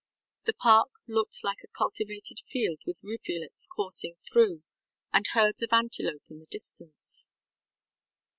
The park looked like a cultivated field with rivulets coursing through, and herds of antelope in the distance.